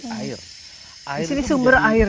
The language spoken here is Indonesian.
air ini sumber air